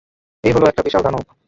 এই হলো একটা বিশাল দানব।